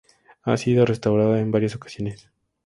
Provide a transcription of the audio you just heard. Ha sido restaurada en varias ocasiones.